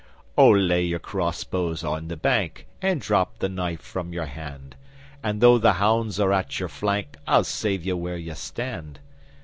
'Oh, lay your crossbows on the bank And drop the knife from your hand, And though the hounds are at your flank I'll save you where you stand!